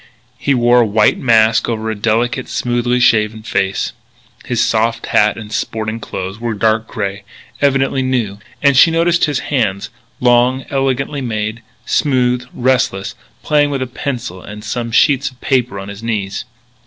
He wore a white mask over a delicate, smoothly shaven face. His soft hat and sporting clothes were dark grey, evidently new. And she noticed his hands long, elegantly made, smooth, restless, playing with a pencil and some sheets of paper on his knees.